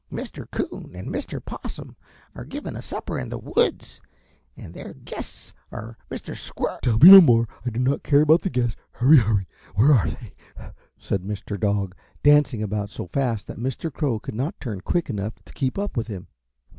Mr. Coon and Mr. Possum are giving a supper in the woods, and their guests are Mr. Squir" "Tell me no more; I do not care about the guests. Hurry! Hurry! Where are they?" said Mr. Dog, dancing about so fast that Mr. Crow could not turn quick enough to keep up with him.